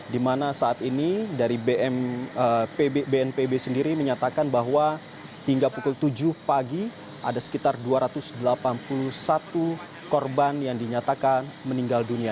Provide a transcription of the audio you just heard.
di mana saat ini dari bnpb sendiri menyatakan bahwa hingga pukul tujuh pagi ada sekitar dua ratus delapan puluh satu korban yang dinyatakan meninggal dunia